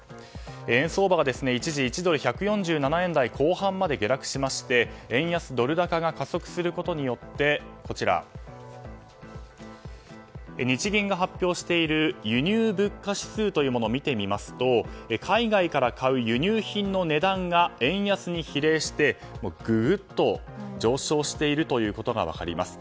円相場は一時１ドル＝１４７円台後半まで下落して円安ドル高が加速することによって日銀が発表している輸入物価指数というものを見てみますと海外から買う輸入品の値段が円安に比例して上昇していることが分かります。